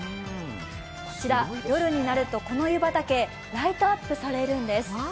こちら夜になるとこの湯畑、ライトアップされるんです。